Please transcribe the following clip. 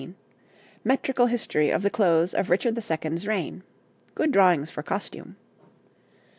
Metrical history of the close of Richard II.'s reign. Good drawings for costume.